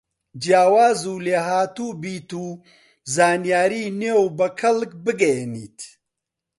جیاواز و لێهاتووبیت و زانیاری نوێ و بە کەڵک بگەیەنیت